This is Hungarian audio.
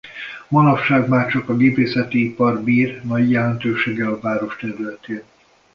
Manapság már csak a gépészeti ipar bír nagy jelentőséggel a város területén.